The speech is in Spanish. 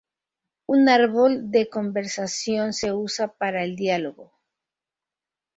Un árbol de conversación se usa para el diálogo.